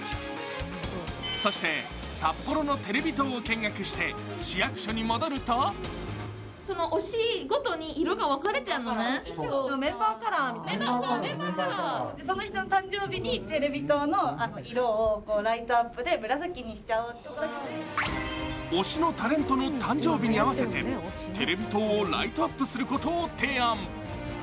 そして、札幌のテレビ塔を見学して市役所に戻ると推しのタレントの誕生日に合わせてテレビ塔をライトアップすることを提案。